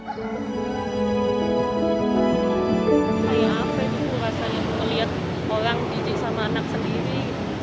saya amat penuh rasa melihat orang diji sama anak sendiri